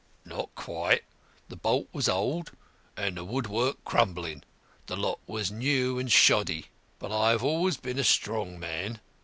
"Not quite; the bolt was old, and the woodwork crumbling; the lock was new and shoddy. But I have always been a strong man."